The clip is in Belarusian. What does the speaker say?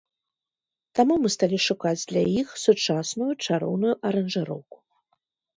Таму мы сталі шукаць для іх сучасную, чароўную аранжыроўку.